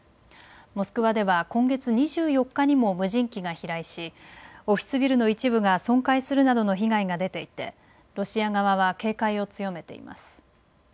モスクワでは今月２４日にも無人機が飛来しオフィスビルの一部が損壊するなどの被害が出ていてロシア側は警戒を強めています。